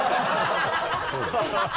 ハハハ